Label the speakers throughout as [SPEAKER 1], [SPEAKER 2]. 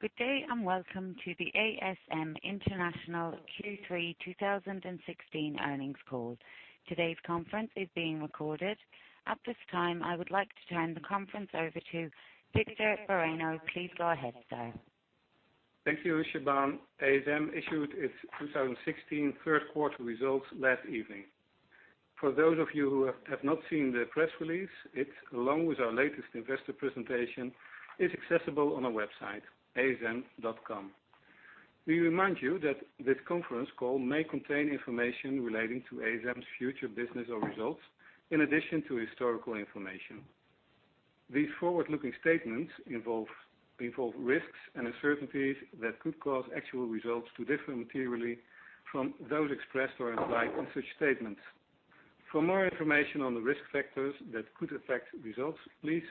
[SPEAKER 1] Good day, welcome to the ASM International Q3 2016 earnings call. Today's conference is being recorded. At this time, I would like to turn the conference over to Victor Bareño. Please go ahead, sir.
[SPEAKER 2] Thank you, Siobhan. ASM issued its 2016 third-quarter results last evening. For those of you who have not seen the press release, it, along with our latest investor presentation, is accessible on our website, asm.com. We remind you that this conference call may contain information relating to ASM's future business or results, in addition to historical information. These forward-looking statements involve risks and uncertainties that could cause actual results to differ materially from those expressed or implied in such statements. For more information on the risk factors that could affect results, please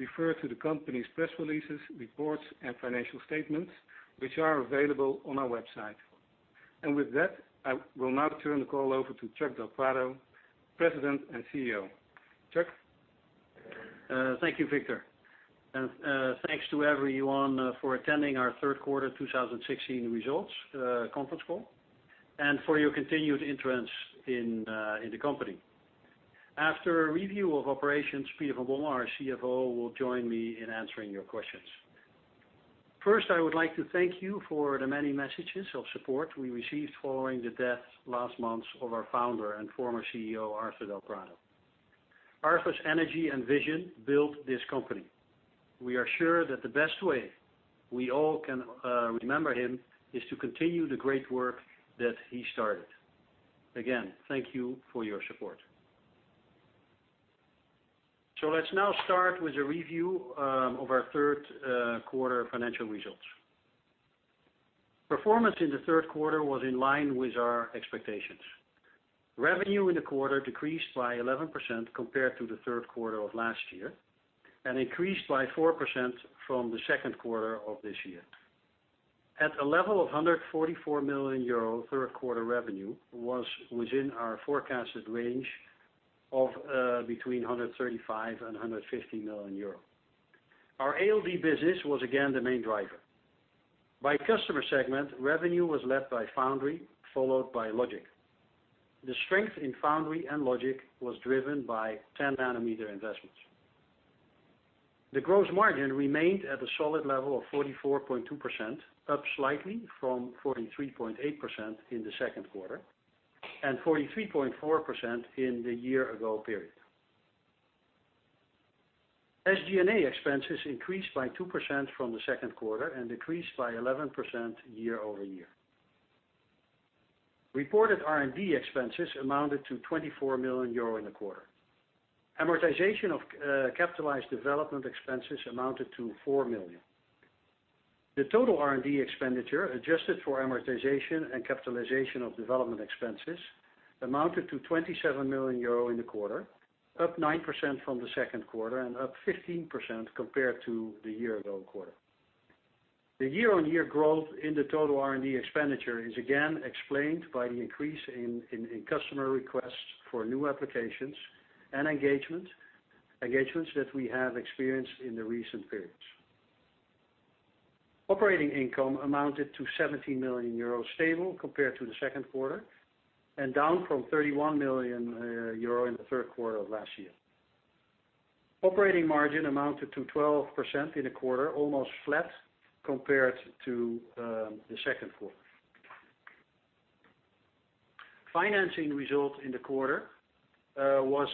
[SPEAKER 2] refer to the company's press releases, reports, and financial statements, which are available on our website. With that, I will now turn the call over to Chuck del Prado, President and CEO. Chuck?
[SPEAKER 3] Thank you, Victor. Thanks to everyone for attending our third quarter 2016 results conference call and for your continued interest in the company. After a review of operations, Peter van Bommel, our CFO, will join me in answering your questions. First, I would like to thank you for the many messages of support we received following the death last month of our Founder and former CEO, Arthur del Prado. Arthur's energy and vision built this company. We are sure that the best way we all can remember him is to continue the great work that he started. Again, thank you for your support. Let's now start with a review of our third quarter financial results. Performance in the third quarter was in line with our expectations. Revenue in the quarter decreased by 11% compared to the third quarter of last year and increased by 4% from the second quarter of this year. At a level of 144 million euro, third quarter revenue was within our forecasted range of between 135 and 150 million euro. Our ALD business was again the main driver. By customer segment, revenue was led by foundry, followed by logic. The strength in foundry and logic was driven by 10-nanometer investments. The gross margin remained at a solid level of 44.2%, up slightly from 43.8% in the second quarter and 43.4% in the year-ago period. SG&A expenses increased by 2% from the second quarter and decreased by 11% year-over-year. Reported R&D expenses amounted to 24 million euro in the quarter. Amortization of capitalized development expenses amounted to 4 million. The total R&D expenditure, adjusted for amortization and capitalization of development expenses, amounted to 27 million euro in the quarter, up 9% from the second quarter and up 15% compared to the year-ago quarter. The year-on-year growth in the total R&D expenditure is again explained by the increase in customer requests for new applications and engagements that we have experienced in the recent periods. Operating income amounted to 17 million euros, stable compared to the second quarter and down from 31 million euro in the third quarter of last year. Operating margin amounted to 12% in the quarter, almost flat compared to the second quarter. Financing result in the quarter was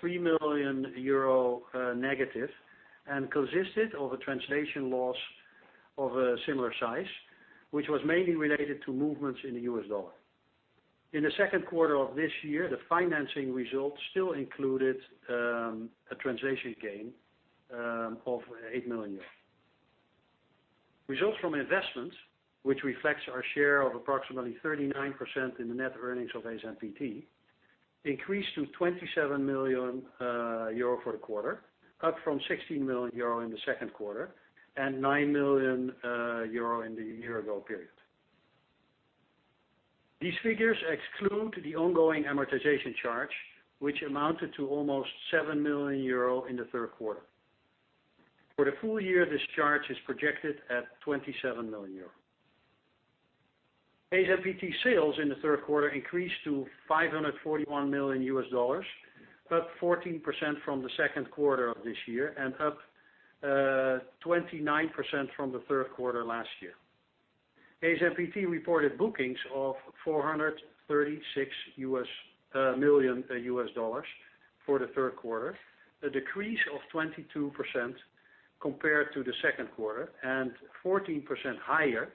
[SPEAKER 3] 3 million euro negative and consisted of a translation loss of a similar size, which was mainly related to movements in the US dollar. In the second quarter of this year, the financing result still included a translation gain of 8 million. Results from investments, which reflects our share of approximately 39% in the net earnings of ASMPT, increased to 27 million euro for the quarter, up from 16 million euro in the second quarter and 9 million euro in the year-ago period. These figures exclude the ongoing amortization charge, which amounted to almost 7 million euro in the third quarter. For the full year, this charge is projected at 27 million euro. ASMPT sales in the third quarter increased to $541 million, up 14% from the second quarter of this year and up 29% from the third quarter last year. ASMPT reported bookings of $436 million for the third quarter, a decrease of 22% compared to the second quarter and 14% higher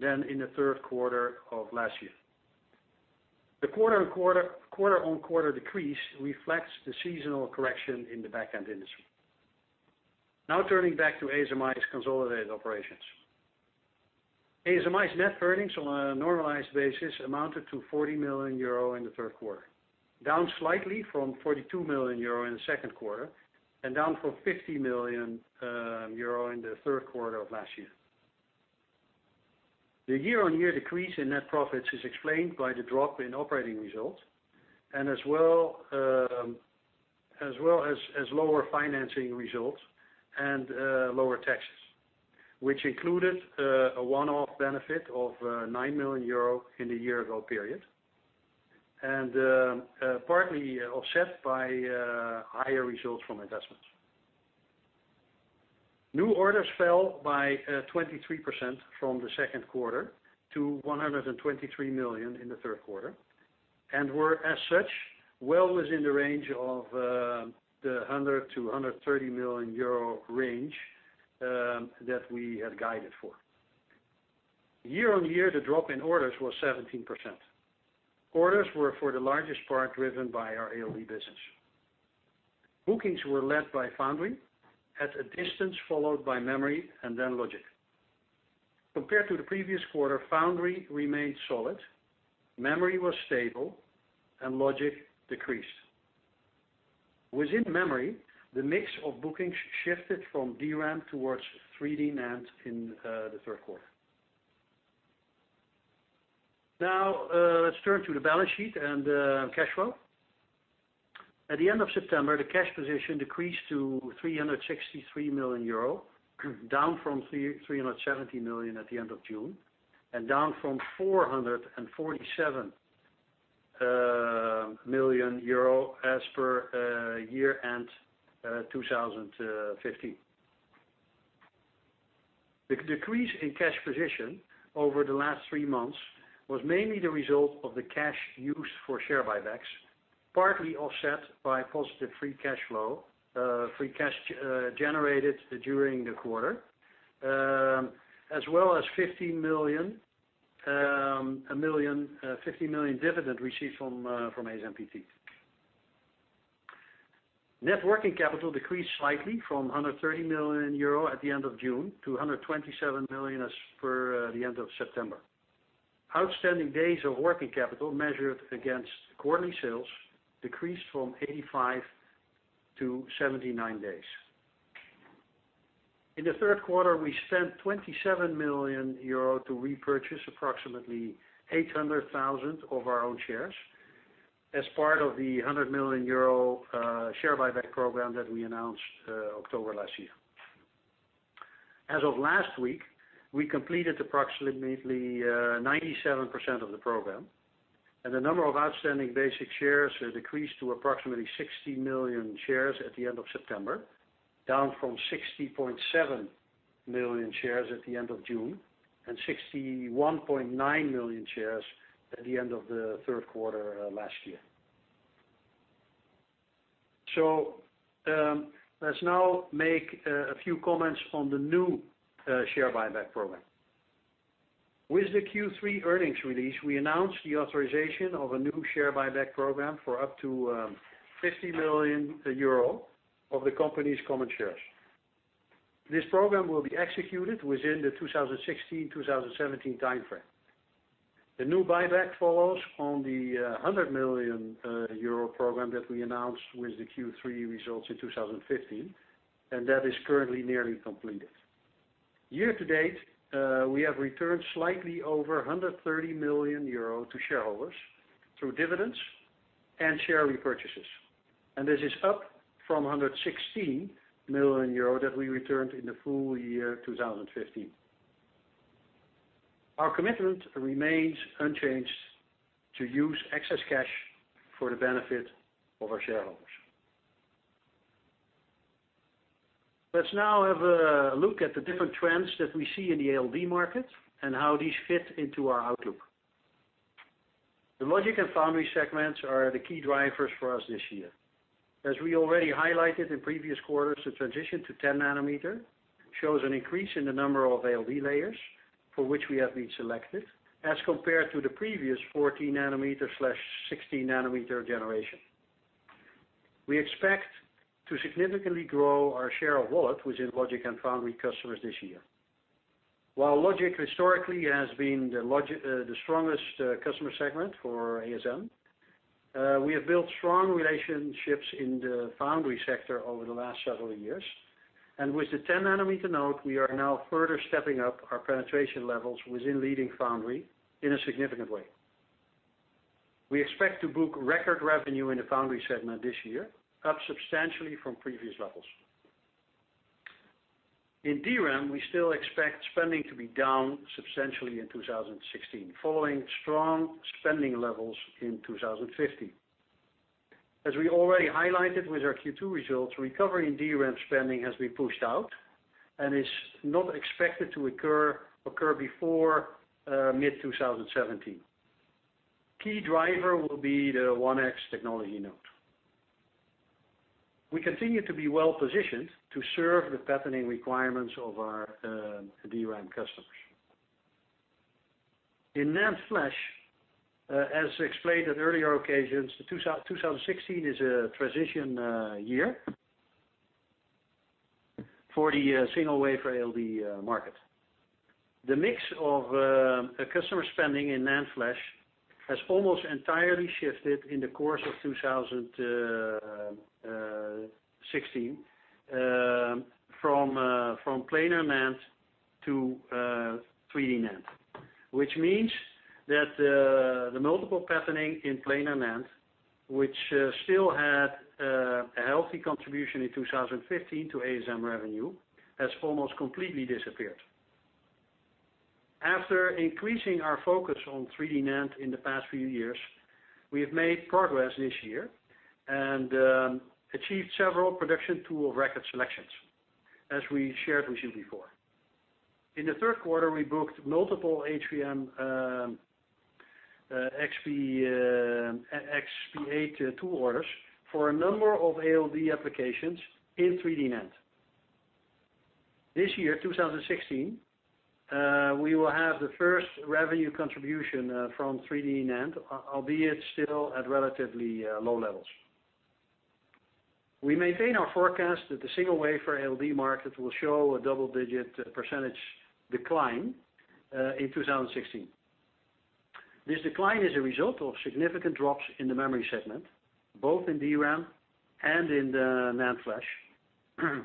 [SPEAKER 3] than in the third quarter of last year. The quarter-on-quarter decrease reflects the seasonal correction in the back-end industry. Turning back to ASMI's consolidated operations. ASMI's net earnings on a normalized basis amounted to 40 million euro in the third quarter, down slightly from 42 million euro in the second quarter and down from 50 million euro in the third quarter of last year. The year-on-year decrease in net profits is explained by the drop in operating results, as well as lower financing results and lower taxes, which included a one-off benefit of 9 million euro in the year-ago period, and partly offset by higher results from investments. New orders fell by 23% from the second quarter to 123 million in the third quarter, and were as such, well within the range of the 100 million-130 million euro range that we had guided for. Year-on-year, the drop in orders was 17%. Orders were for the largest part driven by our ALD business. Bookings were led by foundry, at a distance followed by memory and then logic. Compared to the previous quarter, foundry remained solid, memory was stable, and logic decreased. Within memory, the mix of bookings shifted from DRAM towards 3D NAND in the third quarter. Let's turn to the balance sheet and cash flow. At the end of September, the cash position decreased to 363 million euro, down from 370 million at the end of June, and down from 447 million euro as per year-end 2015. The decrease in cash position over the last three months was mainly the result of the cash used for share buybacks, partly offset by positive free cash flow, free cash generated during the quarter, as well as 50 million dividend received from ASMPT. Net working capital decreased slightly from 130 million euro at the end of June to 127 million as per the end of September. Outstanding days of working capital measured against quarterly sales decreased from 85 to 79 days. In the third quarter, we spent 27 million euro to repurchase approximately 800,000 of our own shares as part of the 100 million euro share buyback program that we announced October last year. As of last week, we completed approximately 97% of the program, and the number of outstanding basic shares has decreased to approximately 60 million shares at the end of September, down from 60.7 million shares at the end of June and 61.9 million shares at the end of the third quarter last year. Let's now make a few comments on the new share buyback program. With the Q3 earnings release, we announced the authorization of a new share buyback program for up to 50 million euro of the company's common shares. This program will be executed within the 2016-2017 time frame. The new buyback follows on the 100 million euro program that we announced with the Q3 results in 2015, that is currently nearly completed. Year to date, we have returned slightly over 130 million euro to shareholders through dividends and share repurchases, this is up from 116 million euro that we returned in the full year 2015. Our commitment remains unchanged to use excess cash for the benefit of our shareholders. Let's now have a look at the different trends that we see in the ALD market and how these fit into our outlook. The logic and foundry segments are the key drivers for us this year. As we already highlighted in previous quarters, the transition to 10 nanometer shows an increase in the number of ALD layers for which we have been selected as compared to the previous 14 nanometer/16 nanometer generation. We expect to significantly grow our share of wallet within logic and foundry customers this year. While logic historically has been the strongest customer segment for ASM, we have built strong relationships in the foundry sector over the last several years. With the 10 nanometer node, we are now further stepping up our penetration levels within leading foundry in a significant way. We expect to book record revenue in the foundry segment this year, up substantially from previous levels. In DRAM, we still expect spending to be down substantially in 2016, following strong spending levels in 2015. As we already highlighted with our Q2 results, recovery in DRAM spending has been pushed out and is not expected to occur before mid-2017. Key driver will be the 1X technology node. We continue to be well positioned to serve the patterning requirements of our DRAM customers. In NAND Flash, as explained at earlier occasions, 2016 is a transition year for the single wafer ALD market. The mix of customer spending in NAND Flash has almost entirely shifted in the course of 2016 from planar NAND to 3D NAND. Which means that the multiple patterning in planar NAND, which still had a healthy contribution in 2015 to ASM revenue, has almost completely disappeared. After increasing our focus on 3D NAND in the past few years, we have made progress this year and achieved several production tool of record selections, as we shared with you before. In the third quarter, we booked multiple Eagle XP8 tool orders for a number of ALD applications in 3D NAND. This year, 2016, we will have the first revenue contribution from 3D NAND, albeit still at relatively low levels. We maintain our forecast that the single wafer ALD market will show a double-digit % decline in 2016. This decline is a result of significant drops in the memory segment, both in DRAM and in the NAND Flash,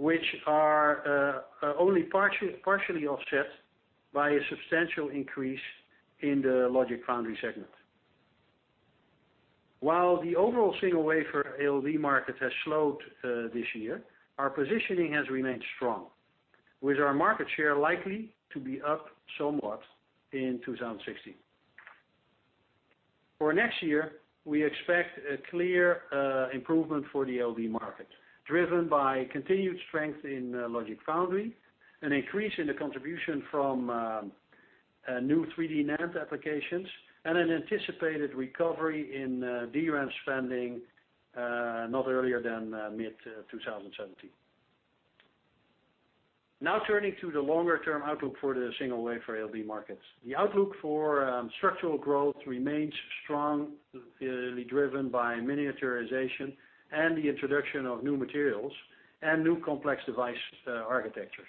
[SPEAKER 3] which are only partially offset by a substantial increase in the logic foundry segment. While the overall single wafer ALD market has slowed this year, our positioning has remained strong, with our market share likely to be up somewhat in 2016. For next year, we expect a clear improvement for the ALD market, driven by continued strength in logic foundry, an increase in the contribution from new 3D NAND applications, and an anticipated recovery in DRAM spending not earlier than mid-2017. Turning to the longer-term outlook for the single wafer ALD markets. The outlook for structural growth remains strongly driven by miniaturization and the introduction of new materials and new complex device architectures.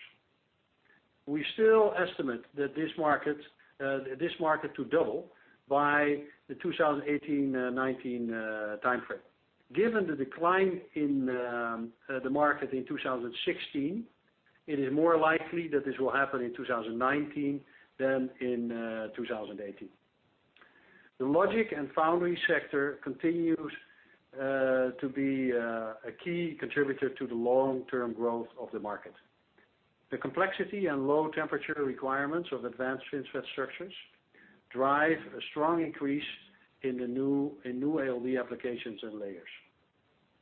[SPEAKER 3] We still estimate this market to double by the 2018-2019 timeframe. Given the decline in the market in 2016, it is more likely that this will happen in 2019 than in 2018. The logic and foundry sector continues to be a key contributor to the long-term growth of the market. The complexity and low-temperature requirements of advanced FinFET structures drive a strong increase in new ALD applications and layers.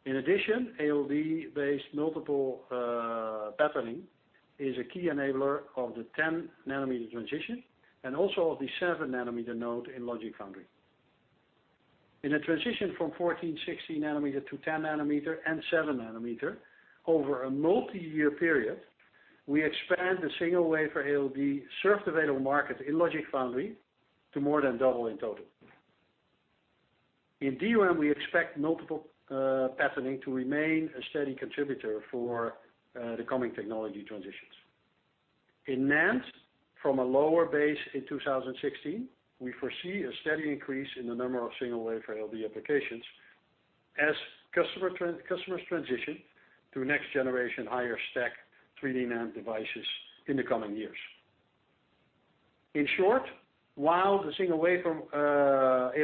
[SPEAKER 3] In addition, ALD-based multiple patterning is a key enabler of the 10-nanometer transition and also of the 7-nanometer node in logic foundry. In a transition from 14/16 nanometer to 10 nanometer and 7 nanometer over a multi-year period, we expand the single wafer ALD served available market in logic foundry to more than double in total. In DRAM, we expect multiple patterning to remain a steady contributor for the coming technology transitions. In NAND, from a lower base in 2016, we foresee a steady increase in the number of single wafer ALD applications as customers transition to next-generation higher stack 3D NAND devices in the coming years. In short, while the single wafer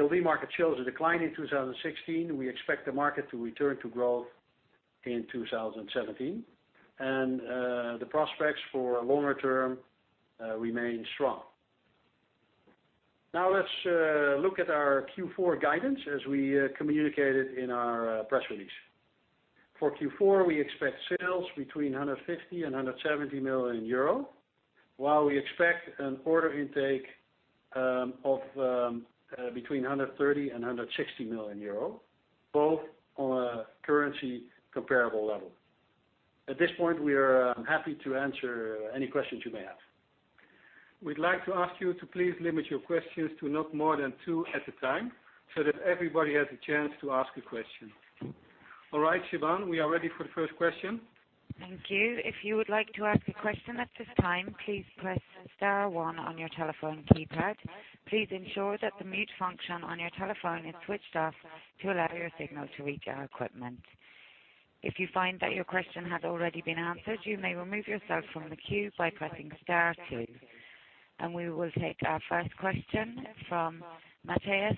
[SPEAKER 3] ALD market shows a decline in 2016, we expect the market to return to growth in 2017, and the prospects for longer term remain strong. Let's look at our Q4 guidance as we communicated in our press release. For Q4, we expect sales between 150 million and 170 million euro, while we expect an order intake of between 130 million and 160 million euro, both on a currency comparable level. At this point, we are happy to answer any questions you may have.
[SPEAKER 2] We'd like to ask you to please limit your questions to not more than two at a time, so that everybody has a chance to ask a question. All right, Siobhan, we are ready for the first question.
[SPEAKER 1] Thank you. If you would like to ask a question at this time, please press star one on your telephone keypad. Please ensure that the mute function on your telephone is switched off to allow your signal to reach our equipment. If you find that your question has already been answered, you may remove yourself from the queue by pressing star two. We will take our first question from Mathias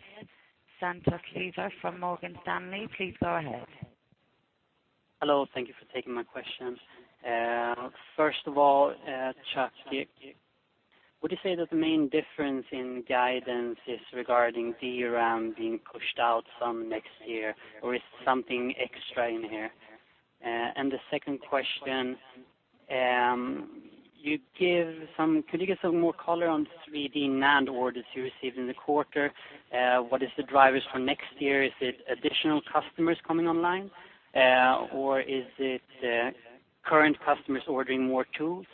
[SPEAKER 1] Santos Lever from Morgan Stanley. Please go ahead.
[SPEAKER 4] Hello. Thank you for taking my questions. First of all, Chuck, would you say that the main difference in guidance is regarding DRAM being pushed out some next year, or is something extra in here? The second question, could you give some more color on the 3D NAND orders you received in the quarter? What is the drivers for next year? Is it additional customers coming online, or is it current customers ordering more tools?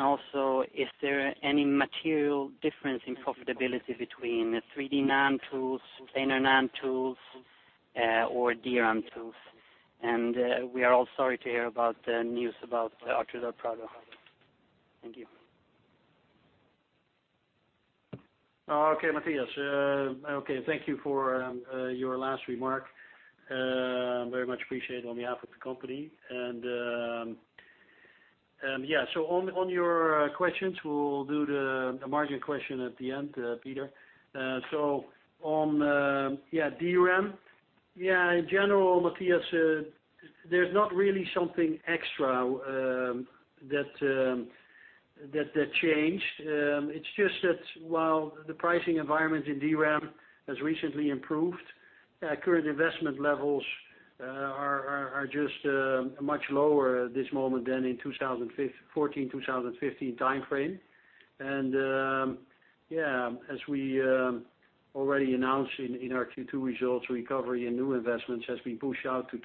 [SPEAKER 4] Also, is there any material difference in profitability between 3D NAND tools, planar NAND tools, or DRAM tools? We are all sorry to hear about the news about Arthur del Prado. Thank you.
[SPEAKER 3] Okay, Mathias. Thank you for your last remark. Very much appreciate it on behalf of the company. On your questions, we will do the margin question at the end, Peter. On DRAM, in general, Mathias, there is not really something extra that changed. It is just that while the pricing environment in DRAM has recently improved, current investment levels are just much lower at this moment than in 2014, 2015 timeframe. As we already announced in our Q2 results, recovery in new investments has been pushed out to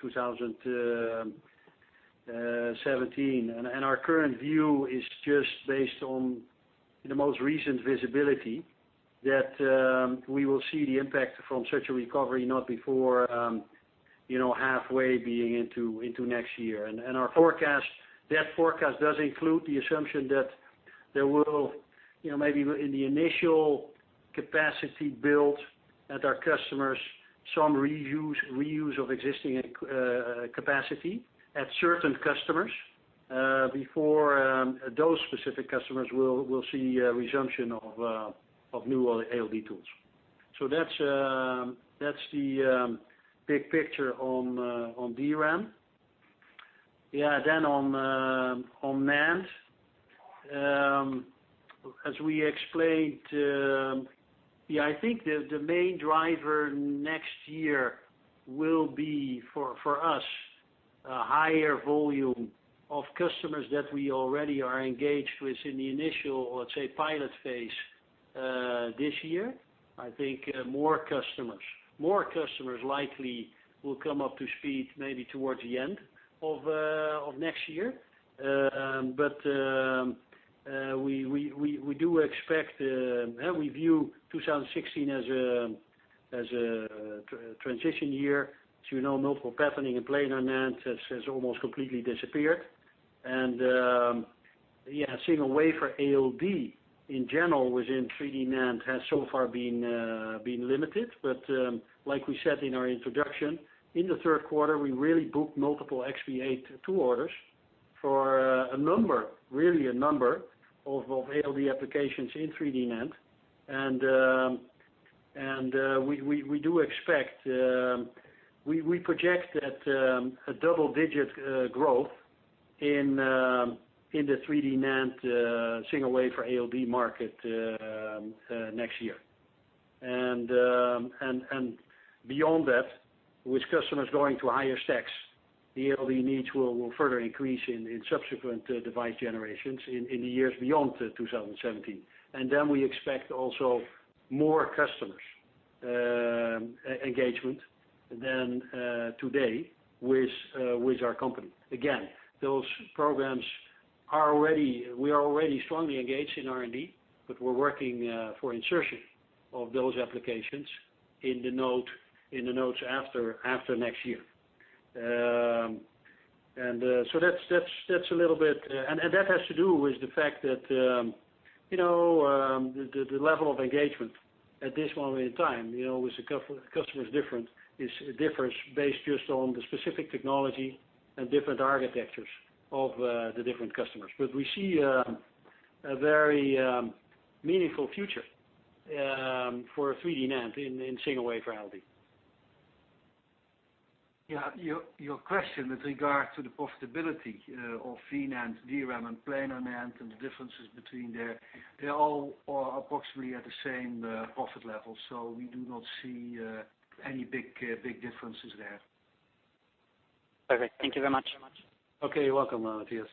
[SPEAKER 3] 2017. Our current view is just based on the most recent visibility that we will see the impact from such a recovery not before halfway being into next year. That forecast does include the assumption that there will, maybe in the initial capacity build at our customers, some reuse of existing capacity at certain customers, before those specific customers will see a resumption of new ALD tools. That is the big picture on DRAM. On NAND, as we explained, I think the main driver next year will be, for us, a higher volume of customers that we already are engaged with in the initial, let us say, pilot phase, this year. I think more customers likely will come up to speed maybe towards the end of next year. We do expect, and we view 2016 as a transition year. As you know, multiple patterning and planar NAND has almost completely disappeared, and single wafer ALD in general within 3D NAND has so far been limited. Like we said in our introduction, in the third quarter, we really booked multiple XP8 orders for a number, really a number, of ALD applications in 3D NAND. We project that a double-digit growth in the 3D NAND single wafer ALD market next year. Beyond that, with customers going to higher stacks, the ALD needs will further increase in subsequent device generations in the years beyond 2017. Then we expect also more customers' engagement than today with our company. Again, those programs, we are already strongly engaged in R&D, but we're working for insertion of those applications in the nodes after next year. That has to do with the fact that, the level of engagement at this point in time, with the customers differs based just on the specific technology and different architectures of the different customers. We see a very meaningful future for 3D NAND in single wafer ALD.
[SPEAKER 4] Yeah.
[SPEAKER 3] Your question with regard to the profitability of V-NAND, DRAM, and Planar NAND and the differences between there, they all are approximately at the same profit level. We do not see any big differences there.
[SPEAKER 4] Perfect. Thank you very much.
[SPEAKER 3] Okay, you're welcome, Mathias.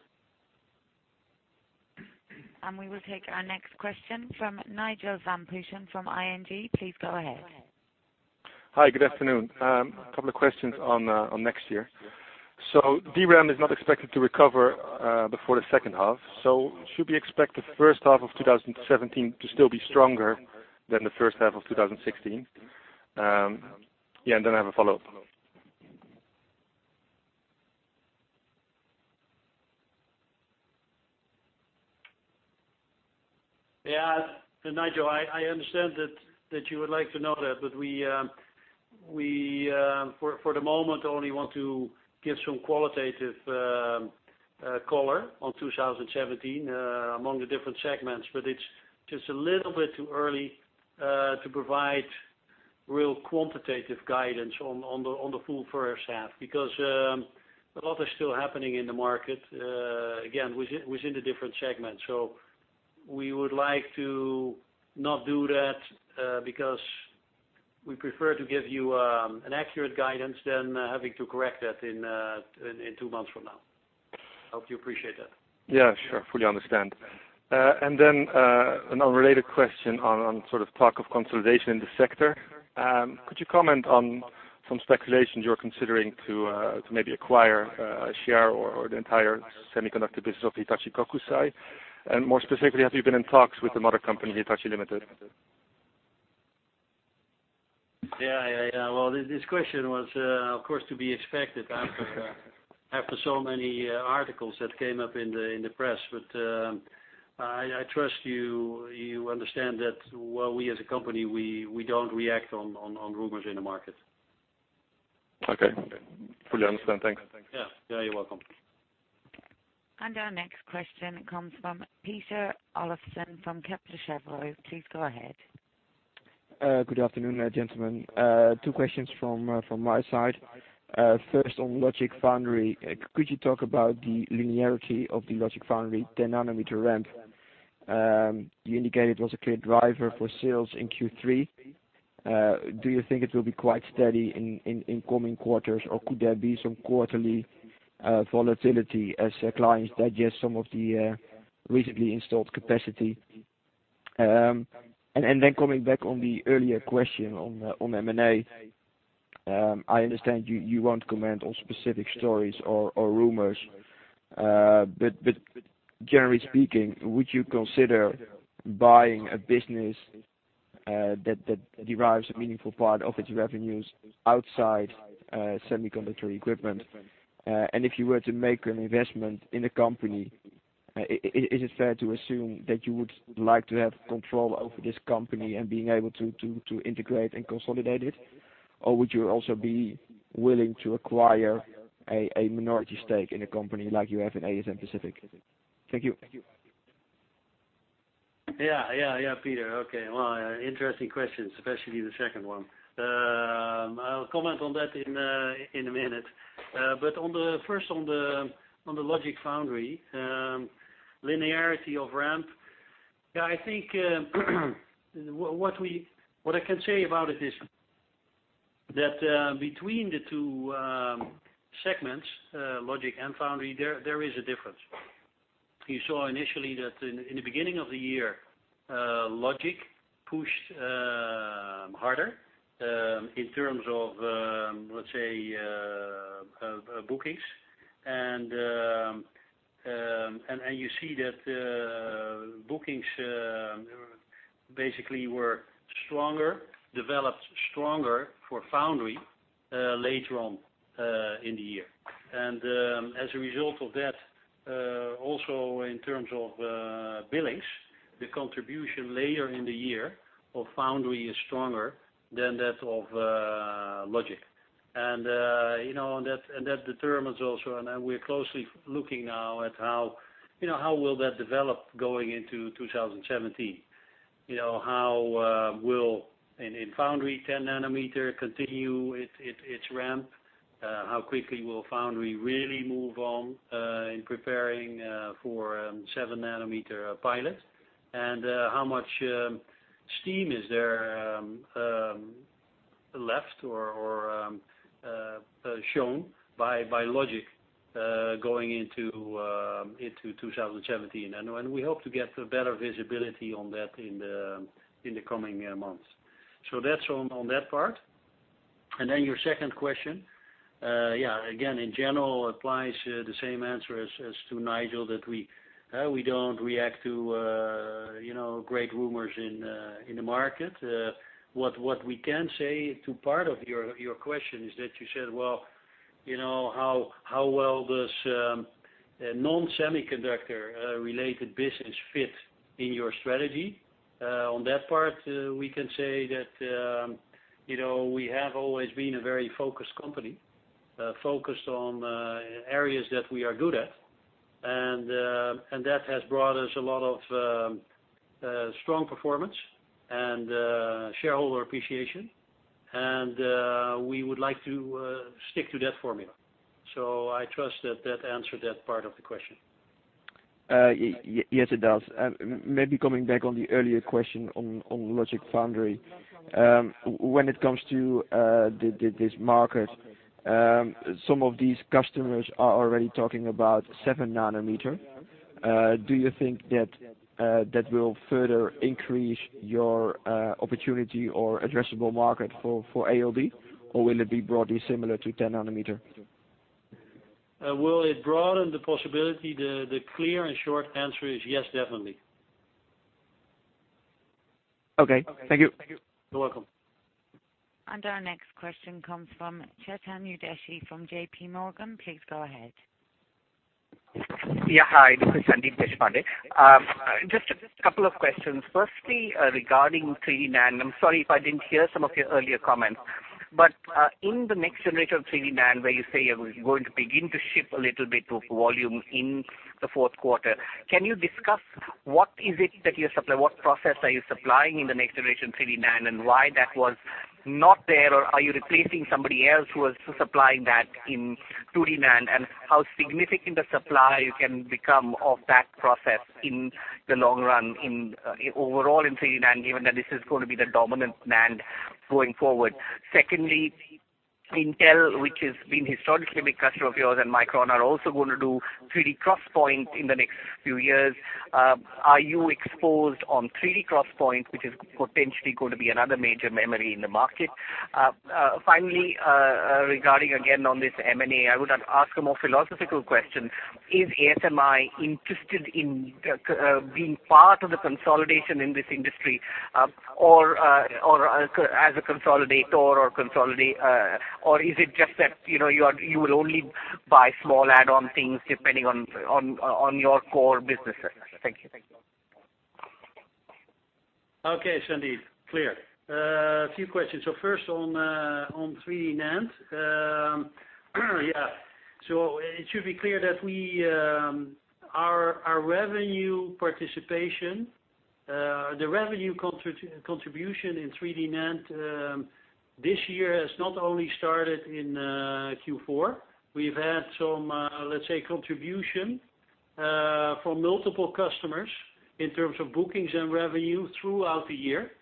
[SPEAKER 1] We will take our next question from Nigel van Putten from ING. Please go ahead.
[SPEAKER 5] Hi, good afternoon. A couple of questions on next year. DRAM is not expected to recover before the second half. Should we expect the first half of 2017 to still be stronger than the first half of 2016? Then I have a follow-up.
[SPEAKER 3] Yeah. Nigel, I understand that you would like to know that, we for the moment only want to give some qualitative color on 2017, among the different segments. It's just a little bit too early to provide real quantitative guidance on the full first half, because a lot is still happening in the market, again, within the different segments. We would like to not do that because we prefer to give you an accurate guidance than having to correct that in two months from now. I hope you appreciate that.
[SPEAKER 5] Yeah, sure. Fully understand. An unrelated question on talk of consolidation in the sector. Could you comment on some speculation you're considering to maybe acquire a share or the entire semiconductor business of Hitachi Kokusai? More specifically, have you been in talks with the mother company, Hitachi Limited?
[SPEAKER 3] This question was, of course, to be expected after so many articles that came up in the press. I trust you understand that while we as a company, we don't react on rumors in the market.
[SPEAKER 5] Okay. Fully understand. Thanks.
[SPEAKER 3] Yeah. You're welcome.
[SPEAKER 1] Our next question comes from Peter Olofsen from Kepler Cheuvreux. Please go ahead.
[SPEAKER 6] Good afternoon, gentlemen. Two questions from my side. First, on logic foundry. Could you talk about the linearity of the logic foundry 10 nanometer ramp? You indicated it was a clear driver for sales in Q3. Do you think it will be quite steady in coming quarters, or could there be some quarterly volatility as clients digest some of the recently installed capacity? Then coming back on the earlier question on M&A. I understand you won't comment on specific stories or rumors. Generally speaking, would you consider buying a business that derives a meaningful part of its revenues outside semiconductor equipment? If you were to make an investment in a company, is it fair to assume that you would like to have control over this company and being able to integrate and consolidate it? Would you also be willing to acquire a minority stake in a company like you have in ASM Pacific? Thank you.
[SPEAKER 3] Yeah, Peter. Okay. Interesting questions, especially the second one. I'll comment on that in a minute. First, on the logic foundry linearity of ramp. I think what I can say about it is that between the two segments, logic and foundry, there is a difference. You saw initially that in the beginning of the year, logic pushed harder, in terms of, let's say, bookings, and you see that bookings basically were stronger, developed stronger for foundry later on in the year. As a result of that, also in terms of billings, the contribution later in the year of foundry is stronger than that of logic. That determines also, and we're closely looking now at how will that develop going into 2017. How will, in foundry, 10 nanometer continue its ramp? How quickly will foundry really move on in preparing for seven-nanometer pilot? How much steam is there left or shown by logic, going into 2017? We hope to get better visibility on that in the coming months. That's on that part. Your second question. Again, in general, applies the same answer as to Nigel, that we don't react to great rumors in the market. What we can say to part of your question is that you said, how well does non-semiconductor-related business fit in your strategy? On that part, we can say that we have always been a very focused company. Focused on areas that we are good at. That has brought us a lot of strong performance and shareholder appreciation. We would like to stick to that formula. I trust that that answered that part of the question.
[SPEAKER 6] Yes, it does. Maybe coming back on the earlier question on logic foundry. When it comes to this market, some of these customers are already talking about seven nanometer. Do you think that will further increase your opportunity or addressable market for ALD, or will it be broadly similar to 10 nanometer?
[SPEAKER 3] Will it broaden the possibility? The clear and short answer is yes, definitely.
[SPEAKER 6] Okay. Thank you.
[SPEAKER 3] You're welcome.
[SPEAKER 1] Our next question comes from Chetan Udeshi from JPMorgan. Please go ahead.
[SPEAKER 7] Hi. This is Sandeep Deshpande. Just a couple of questions. Firstly, regarding 3D NAND, I'm sorry if I didn't hear some of your earlier comments. In the next generation of 3D NAND, where you say you're going to begin to ship a little bit of volume in the fourth quarter, can you discuss what is it that you supply, what process are you supplying in the next generation 3D NAND, and why that was not there? Or are you replacing somebody else who was supplying that in 2D NAND? How significant a supply you can become of that process in the long run, overall in 3D NAND, given that this is going to be the dominant NAND going forward? Secondly, Intel, which has been historically a big customer of yours, and Micron, are also going to do 3D XPoint in the next few years. Are you exposed on 3D XPoint, which is potentially going to be another major memory in the market? Finally, regarding again on this M&A, I would ask a more philosophical question. Is ASMI interested in being part of the consolidation in this industry? Or as a consolidator or consolidate, or is it just that you will only buy small add-on things depending on your core businesses? Thank you.
[SPEAKER 3] Okay, Sandeep. Clear. A few questions. First on 3D NAND. It should be clear that our revenue contribution in 3D NAND this year has not only started in Q4. We've had some, let's say, contribution from multiple customers in terms of bookings and revenue throughout the year.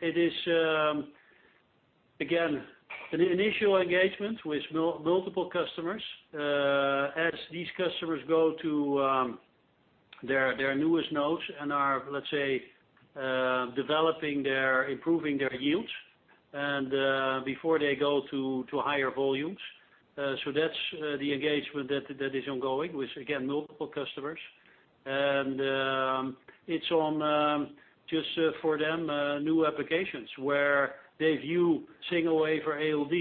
[SPEAKER 3] It is, again, an initial engagement with multiple customers, as these customers go to their newest nodes and are, let's say, developing, they're improving their yields and before they go to higher volumes. That's the engagement that is ongoing with, again, multiple customers. It's on, just for them, new applications where they view single wafer ALD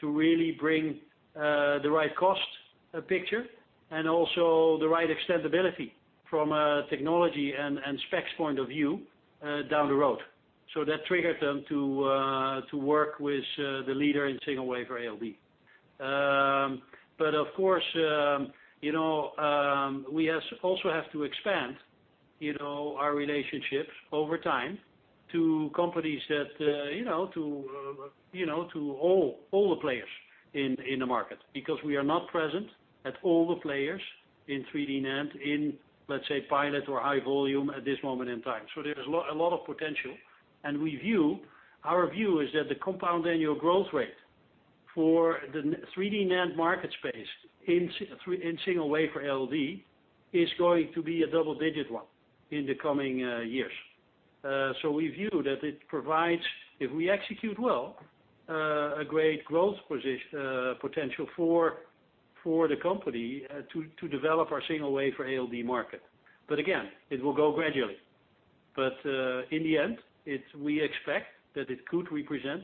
[SPEAKER 3] to really bring the right cost picture and also the right extendibility from a technology and specs point of view down the road. That triggered them to work with the leader in single wafer ALD. Of course, we also have to expand our relationships over time to all the players in the market, because we are not present at all the players in 3D NAND in, let's say, pilot or high volume at this moment in time. There's a lot of potential, and our view is that the compound annual growth rate for the 3D NAND market space in single wafer ALD is going to be a double-digit one in the coming years. We view that it provides, if we execute well, a great growth potential for the company to develop our single wafer ALD market. Again, it will go gradually. In the end, we expect that it could represent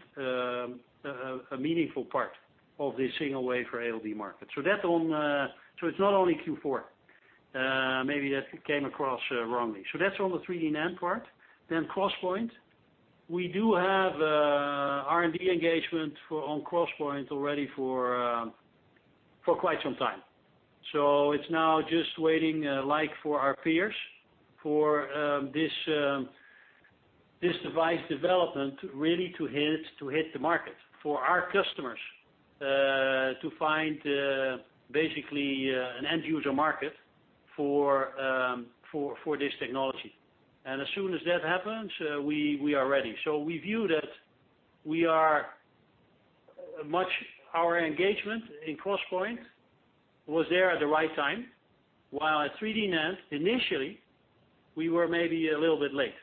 [SPEAKER 3] a meaningful part of the single wafer ALD market. It's not only Q4. Maybe that came across wrongly. That's on the 3D NAND part. CrossPoint, we do have R&D engagement on CrossPoint already for quite some time. It's now just waiting, like for our peers, for this device development really to hit the market. For our customers to find basically an end user market for this technology. As soon as that happens, we are ready. We view that our engagement in CrossPoint was there at the right time, while at 3D NAND, initially, we were maybe a little bit late,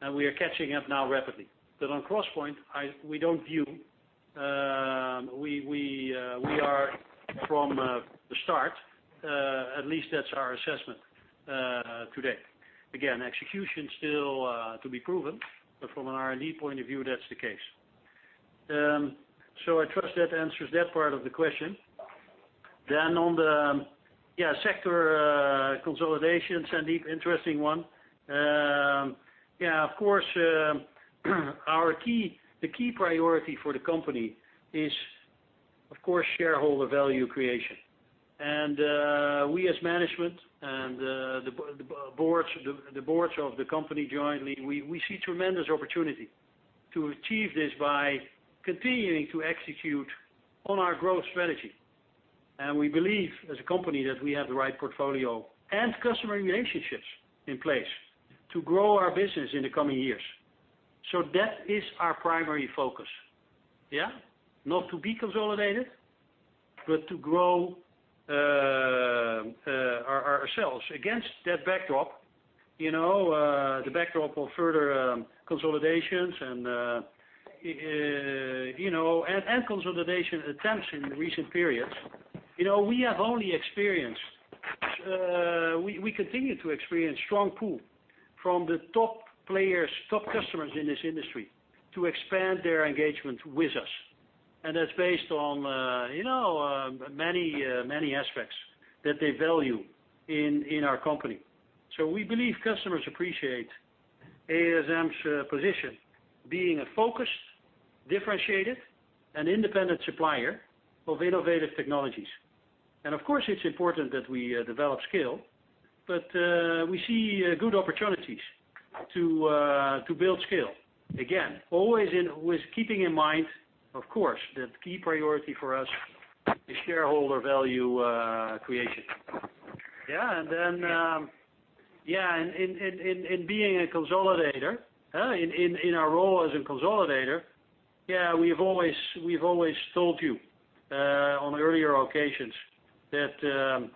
[SPEAKER 3] and we are catching up now rapidly. On CrossPoint, we are from the start, at least that's our assessment today. Again, execution still to be proven, but from an R&D point of view, that's the case. I trust that answers that part of the question. On the sector consolidation, Sandeep, interesting one. Of course, the key priority for the company is, of course, shareholder value creation. We as management and the boards of the company jointly, we see tremendous opportunity to achieve this by continuing to execute on our growth strategy. We believe, as a company, that we have the right portfolio and customer relationships in place to grow our business in the coming years. That is our primary focus. Not to be consolidated, but to grow ourselves. Against that backdrop, the backdrop of further consolidations and consolidation attempts in recent periods, we continue to experience strong pull from the top customers in this industry to expand their engagement with us. That's based on many aspects that they value in our company. We believe customers appreciate ASM's position being a focused, differentiated, and independent supplier of innovative technologies. Of course, it's important that we develop scale, but we see good opportunities to build scale. Always with keeping in mind, of course, the key priority for us is shareholder value creation. In our role as a consolidator, we've always told you on earlier occasions that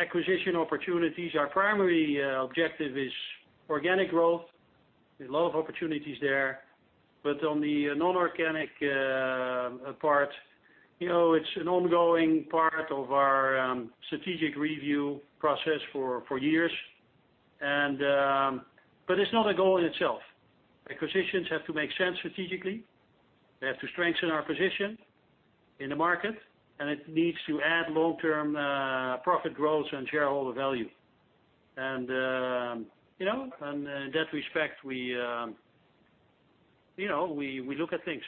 [SPEAKER 3] acquisition opportunities, our primary objective is organic growth. There's a lot of opportunities there. But on the non-organic part, it's an ongoing part of our strategic review process for years. But it's not a goal in itself. Acquisitions have to make sense strategically. They have to strengthen our position in the market, and it needs to add long-term profit growth and shareholder value. In that respect, we look at things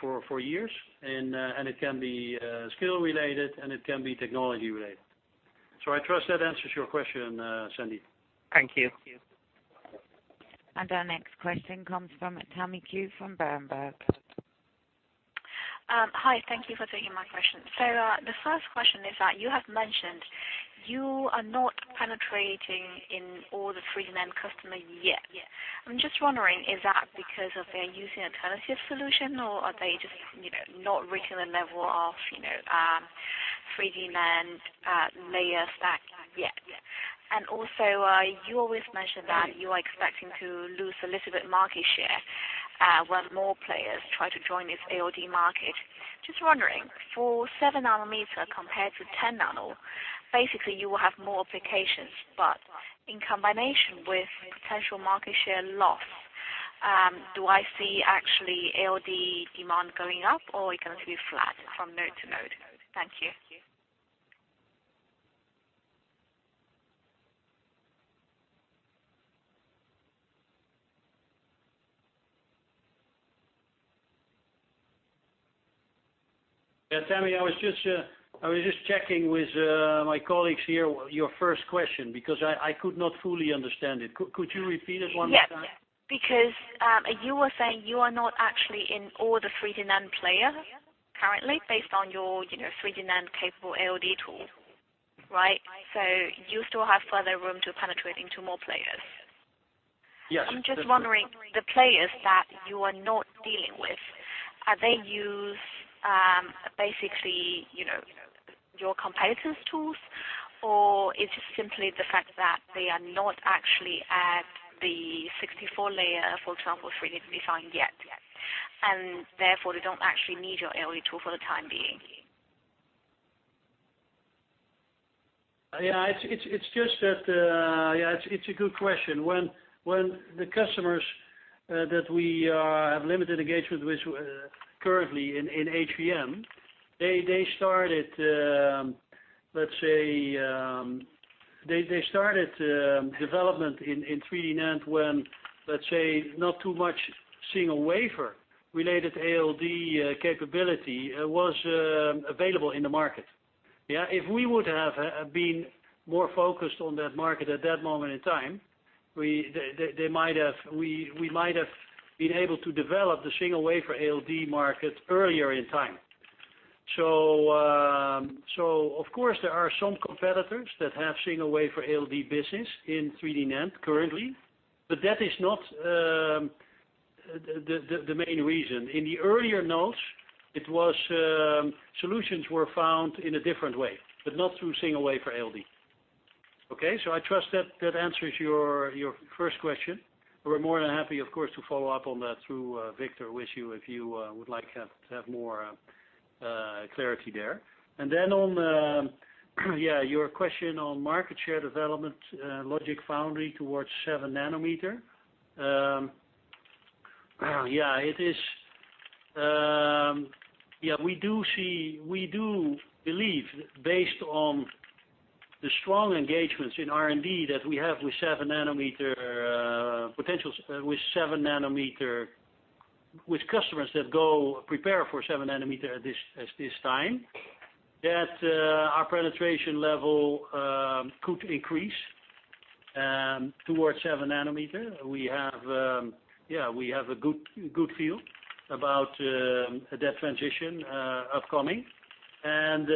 [SPEAKER 3] for years, and it can be skill-related, and it can be technology-related. I trust that answers your question, Sandy.
[SPEAKER 7] Thank you.
[SPEAKER 1] Our next question comes from Tammy Yu from Berenberg.
[SPEAKER 8] Hi. Thank you for taking my question. The first question is that you have mentioned you are not penetrating in all the 3D NAND customer yet. I'm just wondering, is that because of they're using alternative solution, or are they just not reaching the level of 3D NAND layer stack yet? Also, you always mention that you are expecting to lose a little bit market share, when more players try to join this ALD market. Just wondering, for seven nanometer compared to 10 nano, basically, you will have more applications, but in combination with potential market share loss, do I see actually ALD demand going up, or it going to be flat from node to node? Thank you.
[SPEAKER 3] Yeah, Tammy, I was just checking with my colleagues here your first question, because I could not fully understand it. Could you repeat it one more time?
[SPEAKER 8] Yes. You were saying you are not actually in all the 3D NAND player currently based on your 3D NAND capable ALD tool, right? You still have further room to penetrating to more players.
[SPEAKER 3] Yes.
[SPEAKER 8] I'm just wondering, the players that you are not dealing with, are they use basically your competitor's tools, or it's just simply the fact that they are not actually at the 64 layer, for example, 3D defined yet, and therefore they don't actually need your ALD tool for the time being?
[SPEAKER 3] Yeah, it's a good question. When the customers that we have limited engagement with currently in HVM, they started development in 3D NAND when, let's say, not too much single wafer-related ALD capability was available in the market. Yeah? If we would have been more focused on that market at that moment in time, we might have been able to develop the single wafer ALD market earlier in time. Of course, there are some competitors that have single wafer ALD business in 3D NAND currently, but that is not the main reason. In the earlier nodes, solutions were found in a different way, but not through single wafer ALD. Okay? I trust that answers your first question. We're more than happy, of course, to follow up on that through Victor with you if you would like to have more clarity there. On your question on market share development, logic foundry towards seven nanometer. We do believe, based on the strong engagements in R&D that we have with customers that go prepare for seven nanometer at this time, that our penetration level could increase towards seven nanometer. We have a good feel about that transition upcoming. As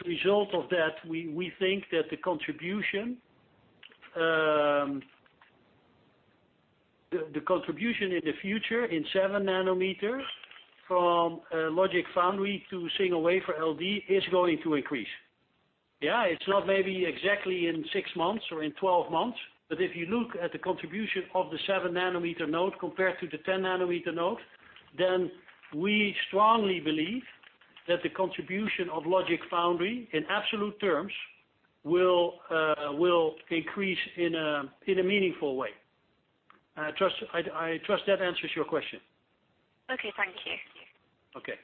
[SPEAKER 3] a result of that, we think that the contribution in the future in seven nanometers from logic foundry to single wafer ALD is going to increase. Yeah, it's not maybe exactly in 6 months or in 12 months, but if you look at the contribution of the seven-nanometer node compared to the 10-nanometer node, then we strongly believe that the contribution of logic foundry in absolute terms will increase in a meaningful way. I trust that answers your question.
[SPEAKER 8] Okay. Thank you.
[SPEAKER 3] Okay.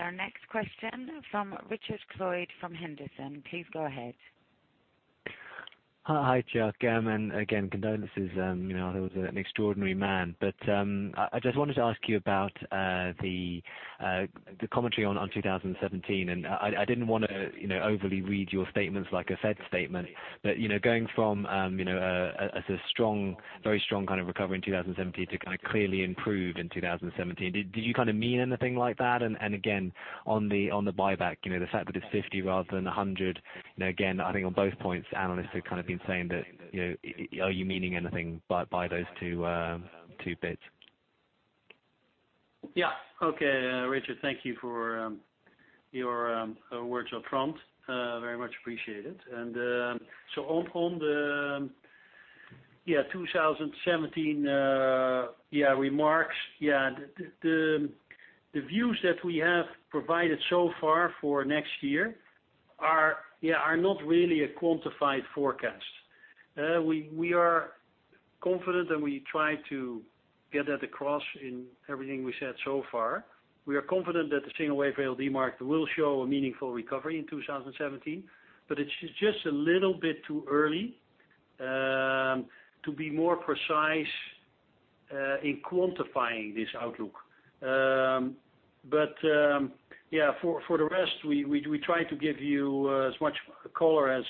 [SPEAKER 1] Our next question from Richard Clode from Henderson. Please go ahead.
[SPEAKER 9] Hi, Jeroen. Again, condolences. He was an extraordinary man. I just wanted to ask you about the commentary on 2017, I didn't want to overly read your statements like a Fed statement. Going from a very strong kind of recovery in 2017 to kind of clearly improved in 2017. Did you kind of mean anything like that? Again, on the buyback, the fact that it's 50 rather than 100, again, I think on both points, analysts have kind of been saying that, are you meaning anything by those two bits?
[SPEAKER 3] Okay, Richard. Thank you for your words of prompt. Very much appreciated. On the 2017 remarks. The views that we have provided so far for next year are not really a quantified forecast. We are confident, and we try to get that across in everything we said so far. We are confident that the single wafer ALD market will show a meaningful recovery in 2017, but it's just a little bit too early to be more precise in quantifying this outlook. For the rest, we try to give you as much color as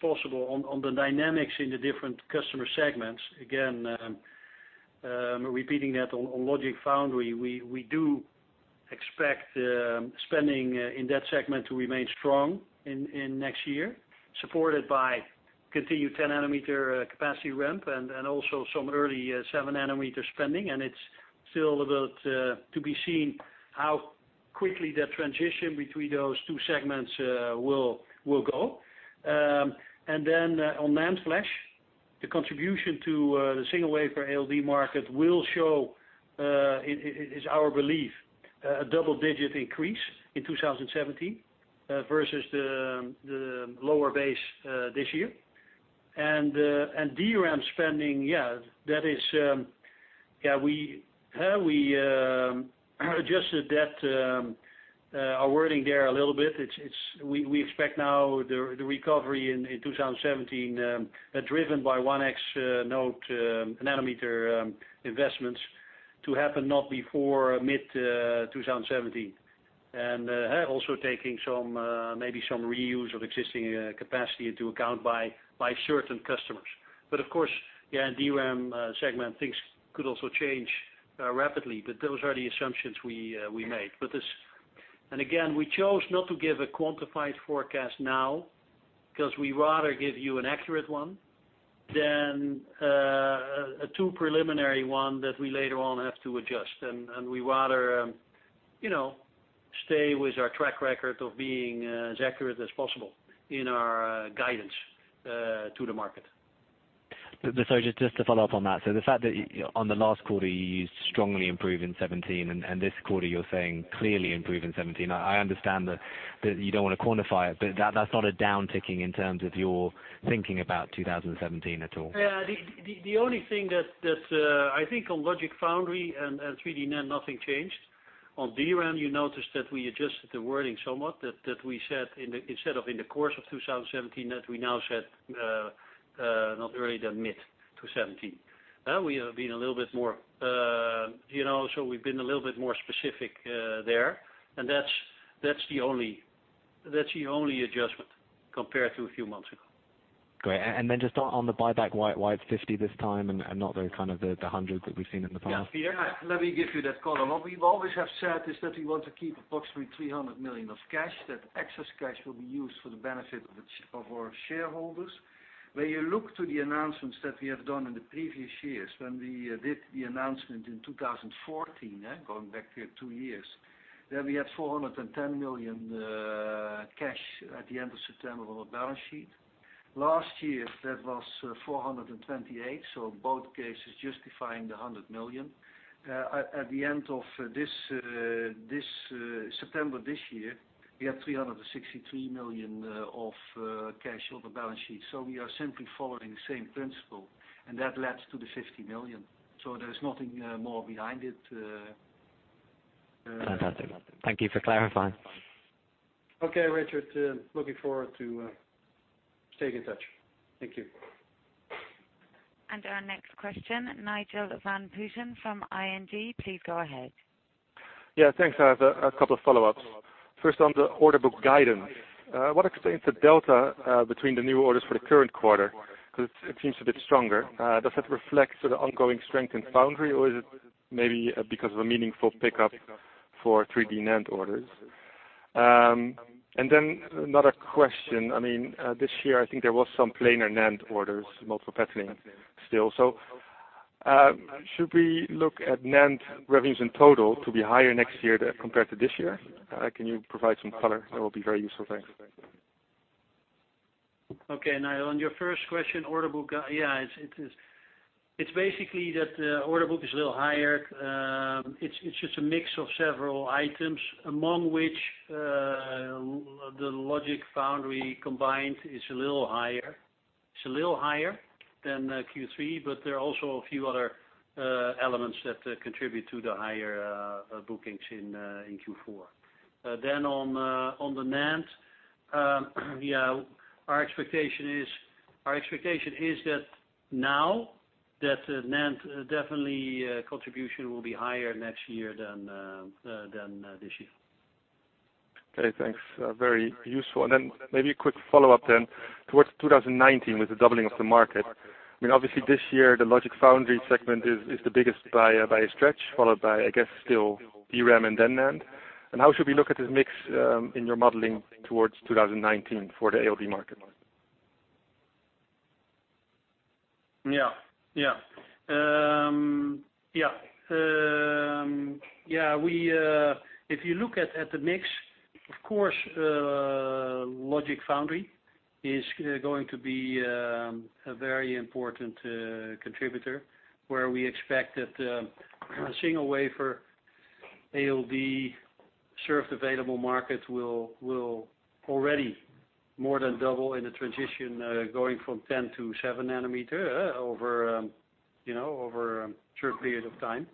[SPEAKER 3] possible on the dynamics in the different customer segments. Again, repeating that on logic foundry, we do expect spending in that segment to remain strong in next year, supported by continued 10 nanometer capacity ramp and also some early 7 nanometer spending. It's still about to be seen how quickly that transition between those two segments will go. On NAND flash, the contribution to the single wafer ALD market will show, it is our belief, a double-digit increase in 2017 versus the lower base this year. DRAM spending, we adjusted our wording there a little bit. We expect now the recovery in 2017, driven by 1x nanometer investments to happen not before mid-2017. Also taking maybe some reuse of existing capacity into account by certain customers. Of course, in DRAM segment, things could also change rapidly, but those are the assumptions we made. Again, we chose not to give a quantified forecast now because we'd rather give you an accurate one than a too preliminary one that we later on have to adjust. We'd rather stay with our track record of being as accurate as possible in our guidance to the market.
[SPEAKER 9] Just to follow up on that. The fact that on the last quarter, you used strongly improved in 2017, and this quarter, you're saying clearly improved in 2017. I understand that you don't want to quantify it, but that's not a downticking in terms of your thinking about 2017 at all?
[SPEAKER 3] The only thing that I think on logic foundry and 3D NAND, nothing changed. On DRAM, you noticed that we adjusted the wording somewhat, that we said instead of in the course of 2017, that we now said, not early to mid-2017. We've been a little bit more specific there. That's the only adjustment compared to a few months ago.
[SPEAKER 9] Great. Then just on the buyback, why it's 50 this time and not the kind of the 100 that we've seen in the past?
[SPEAKER 3] Yeah. Let me give you that color. What we always have said is that we want to keep approximately 300 million of cash, that excess cash will be used for the benefit of our shareholders. When you look to the announcements that we have done in the previous years, when we did the announcement in 2014, going back two years, we had 410 million cash at the end of September on our balance sheet. Last year, that was 428 million, both cases justifying the 100 million. At the end of September this year, we had 363 million of cash on the balance sheet. We are simply following the same principle, that led to the 50 million. There is nothing more behind it.
[SPEAKER 9] Fantastic. Thank you for clarifying.
[SPEAKER 3] Okay, Richard. Looking forward to staying in touch. Thank you.
[SPEAKER 1] Our next question, Nigel van Putten from ING, please go ahead.
[SPEAKER 5] Yeah, thanks. I have a couple of follow-ups. First, on the order book guidance. What explains the delta between the new orders for the current quarter? It seems a bit stronger. Does that reflect sort of ongoing strength in foundry, or is it maybe because of a meaningful pickup for 3D NAND orders? Another question, this year, I think there was some planar NAND orders, multi-level cell still. Should we look at NAND revenues in total to be higher next year compared to this year? Can you provide some color? That will be very useful. Thanks.
[SPEAKER 3] Okay, Nigel, on your first question, order book. Yeah, it's basically that the order book is a little higher. It's just a mix of several items, among which the logic foundry combined is a little higher than Q3, there are also a few other elements that contribute to the higher bookings in Q4. On the NAND, our expectation is that now that NAND definitely contribution will be higher next year than this year.
[SPEAKER 5] Okay, thanks. Very useful. Maybe a quick follow-up then. Towards 2019, with the doubling of the market, obviously this year the logic foundry segment is the biggest by a stretch, followed by, I guess, still DRAM and then NAND. How should we look at this mix in your modeling towards 2019 for the ALD market?
[SPEAKER 3] Yeah. If you look at the mix, of course, logic foundry is going to be a very important contributor, where we expect that the single wafer ALD served available market will already more than double in the transition, going from 10 to 7 nanometer over a short period of time.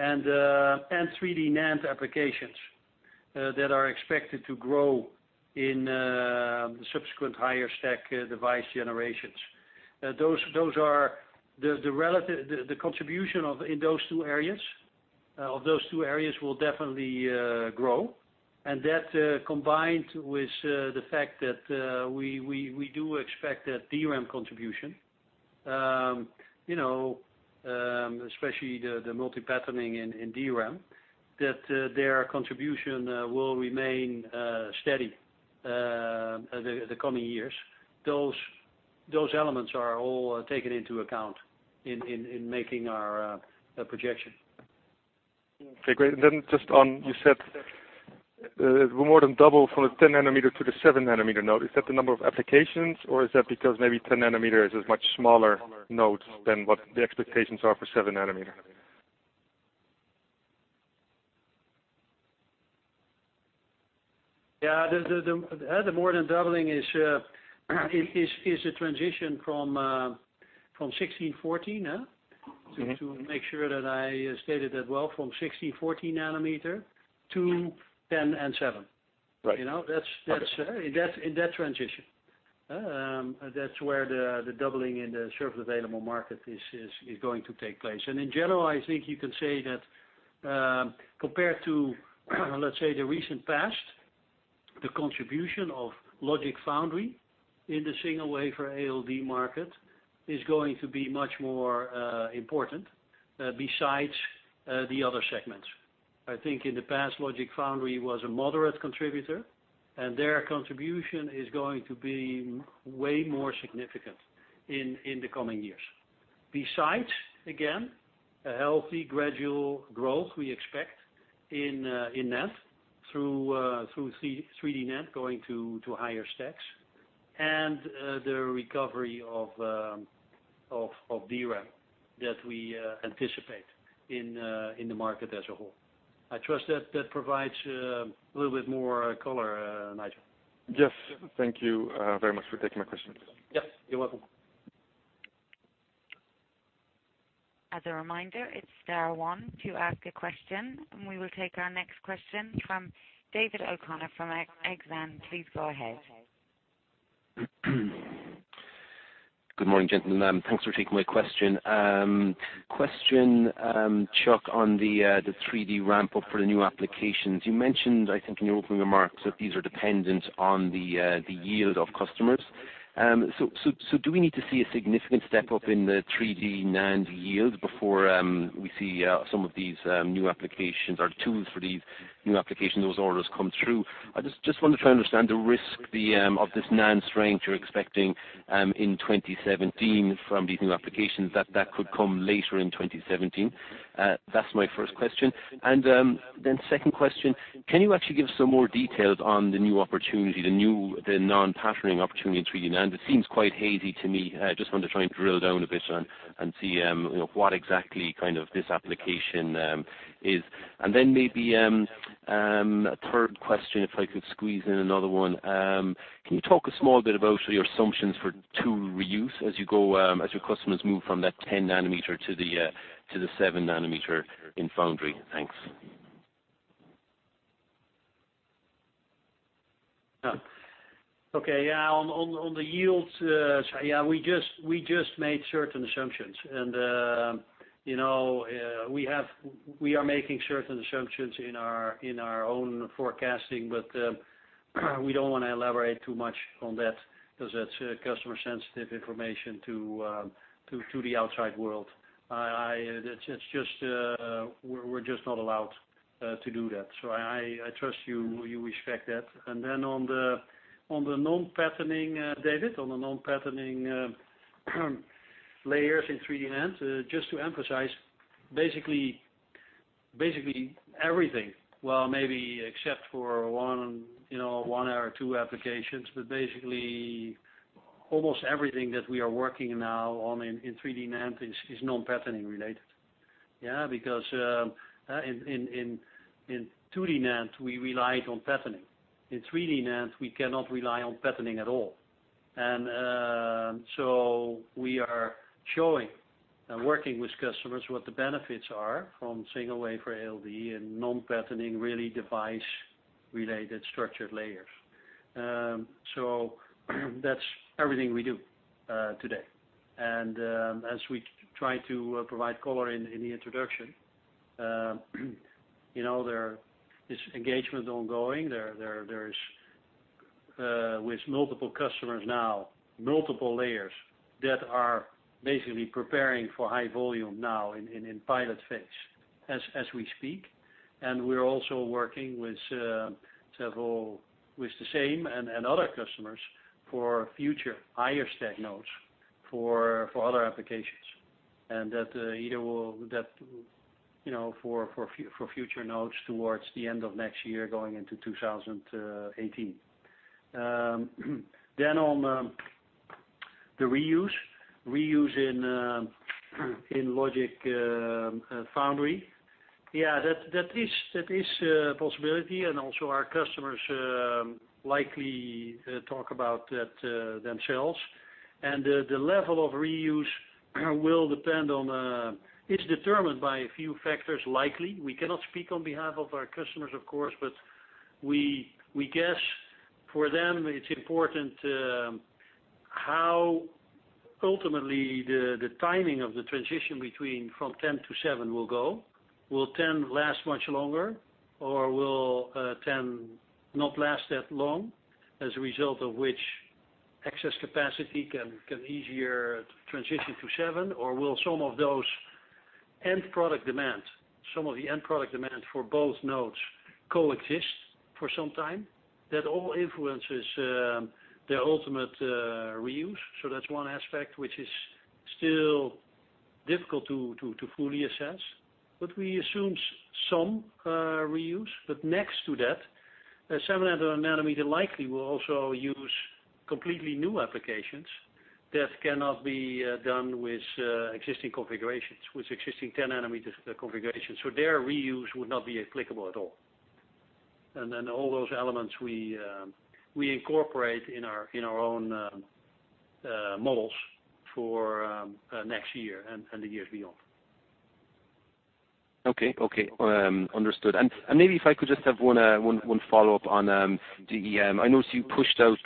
[SPEAKER 3] 3D NAND applications that are expected to grow in the subsequent higher stack device generations. The contribution in those two areas will definitely grow. That, combined with the fact that we do expect that DRAM contribution, especially the multi-patterning in DRAM, that their contribution will remain steady the coming years. Those elements are all taken into account in making our projection.
[SPEAKER 5] Okay, great. You said more than double from the 10 nanometer to the 7 nanometer node. Is that the number of applications, or is that because maybe 10 nanometer is a much smaller node than what the expectations are for 7 nanometer?
[SPEAKER 3] The more than doubling is the transition from 16/14. To make sure that I stated that well, from 16/14 nanometer to 10 and 7.
[SPEAKER 5] Right. Okay.
[SPEAKER 3] In that transition. That's where the doubling in the served available market is going to take place. In general, I think you can say that compared to, let's say, the recent past, the contribution of logic foundry in the single wafer ALD market is going to be much more important besides the other segments. I think in the past, logic foundry was a moderate contributor, and their contribution is going to be way more significant in the coming years. Besides, again, a healthy gradual growth we expect in NAND through 3D NAND going to higher stacks, and the recovery of DRAM that we anticipate in the market as a whole. I trust that that provides a little bit more color, Nigel.
[SPEAKER 5] Yes. Thank you very much for taking my question.
[SPEAKER 3] Yes. You're welcome.
[SPEAKER 1] As a reminder, it's star one to ask a question, and we will take our next question from David O'Connor from Exane. Please go ahead.
[SPEAKER 10] Good morning, gentlemen. Thanks for taking my question. Question, Chuck, on the 3D ramp-up for the new applications. You mentioned, I think in your opening remarks, that these are dependent on the yield of customers. Do we need to see a significant step-up in the 3D NAND yield before we see some of these new applications or tools for these new applications, those orders come through? I just want to try and understand the risk of this NAND strength you're expecting in 2017 from these new applications, that that could come later in 2017. That's my first question. Second question, can you actually give some more details on the new opportunity, the non-patterning opportunity in 3D NAND? It seems quite hazy to me. I just want to try and drill down a bit and see what exactly kind of this application is. Maybe a third question, if I could squeeze in another one. Can you talk a small bit about your assumptions for tool reuse as your customers move from that 10 nanometer to the seven nanometer in foundry? Thanks.
[SPEAKER 3] Okay. Yeah. On the yields, we just made certain assumptions. We are making certain assumptions in our own forecasting, but we don't want to elaborate too much on that because that's customer-sensitive information to the outside world. We're just not allowed to do that. I trust you will respect that. On the non-patterning, David, on the non-patterning layers in 3D NAND, just to emphasize, basically everything. Well, maybe except for one or two applications, but basically almost everything that we are working now on in 3D NAND is non-patterning related. Because in 2D NAND, we relied on patterning. In 3D NAND, we cannot rely on patterning at all. We are showing and working with customers what the benefits are from single wafer ALD and non-patterning, really device-related structured layers. That's everything we do today. As we try to provide color in the introduction, this engagement ongoing. There's with multiple customers now, multiple layers that are basically preparing for high volume now in pilot phase as we speak. We're also working with several, with the same and other customers for future higher stack nodes for other applications. That either for future nodes towards the end of next year, going into 2018. On the reuse. Reuse in logic foundry. Yeah, that is a possibility, and also our customers likely talk about that themselves. The level of reuse will depend on, it's determined by a few factors, likely. We cannot speak on behalf of our customers, of course, but we guess for them it's important how ultimately the timing of the transition between from 10 to seven will go. Will 10 last much longer, or will 10 not last that long, as a result of which excess capacity can easier transition to seven? Or will some of the end product demand for both nodes coexist for some time? That all influences the ultimate reuse. That's one aspect which is still difficult to fully assess. We assume some reuse. Next to that, seven nanometer likely will also use completely new applications that cannot be done with existing configurations, with existing 10 nanometer configurations. There, reuse would not be applicable at all. All those elements we incorporate in our own models for next year and the years beyond.
[SPEAKER 10] Okay. Understood. Maybe if I could just have one follow-up on the EUV. I notice you pushed out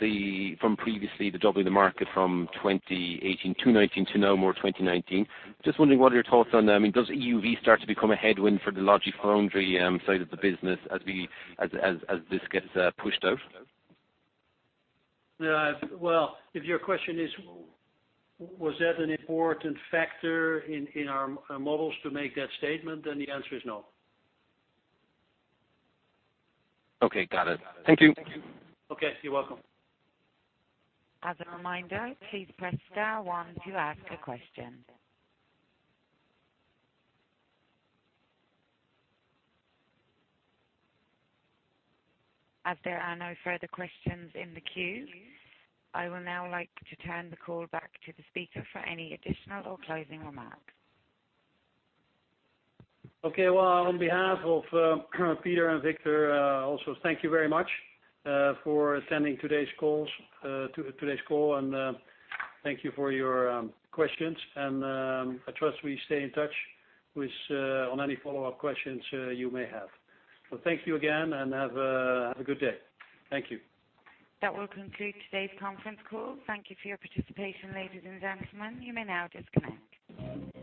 [SPEAKER 10] from previously the doubling the market from 2018 to 2019 to now more 2019. Just wondering what are your thoughts on that. I mean, does EUV start to become a headwind for the logic foundry side of the business as this gets pushed out?
[SPEAKER 3] Well, if your question is, was that an important factor in our models to make that statement? The answer is no.
[SPEAKER 10] Okay, got it. Thank you.
[SPEAKER 3] Okay, you're welcome.
[SPEAKER 1] As a reminder, please press star one to ask a question. As there are no further questions in the queue, I will now like to turn the call back to the speaker for any additional or closing remarks.
[SPEAKER 3] Okay, well, on behalf of Peter and Victor also, thank you very much for attending today's call, and thank you for your questions. I trust we stay in touch on any follow-up questions you may have. Thank you again, and have a good day. Thank you.
[SPEAKER 1] That will conclude today's conference call. Thank you for your participation, ladies and gentlemen. You may now disconnect.